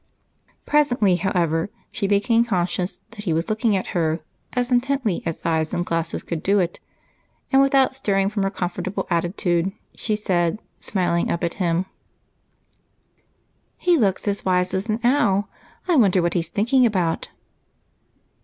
Presently, however, she became conscious that he was looking at her as intently as eyes and glasses could do it, and without stirring from her comfortable attitude, she said, smiling up at him, "He looks as wise as an owl I wonder what he's thinking about?"